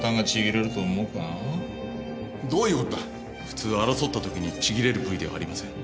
普通争った時にちぎれる部位ではありません。